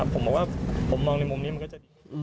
ผมว่าผมมองในมุมนี้ก็จะดี